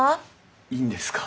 いいんですか？